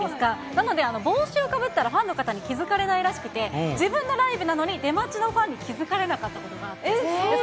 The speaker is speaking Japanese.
なので、帽子をかぶったらファンの方に気付かれないらしくて、自分のライブなのに、出待ちのファンに気付かれなかったことがあったそうです。